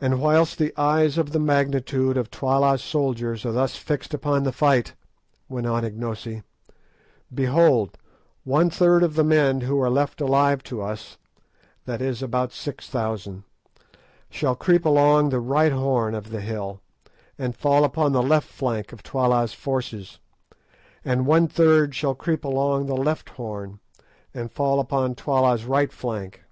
"And whilst the eyes of the multitude of Twala's soldiers are thus fixed upon the fight," went on Ignosi, "behold, one third of the men who are left alive to us (i.e. about 6,000) shall creep along the right horn of the hill and fall upon the left flank of Twala's force, and one third shall creep along the left horn and fall upon Twala's right flank.